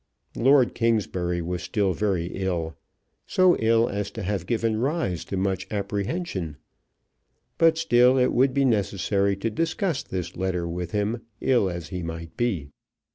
Lord Kingsbury was still very ill, so ill as to have given rise to much apprehension; but still it would be necessary to discuss this letter with him, ill as he might be.